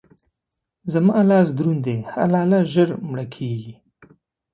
زما لاس دروند دی؛ حلاله ژر مړه کېږي.